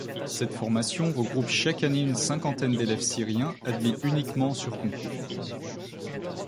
Cette formation regroupe chaque année une cinquantaine d'élèves syriens admis uniquement sur concours.